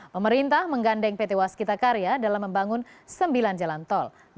pemerintah menggandeng pt waskita karya dalam membangun sembilan jalan tol